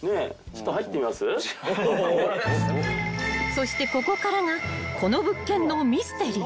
［そしてここからがこの物件のミステリー］